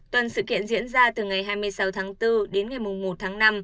tuần sự kiện diễn ra từ ngày hai mươi sáu tháng bốn đến ngày một tháng năm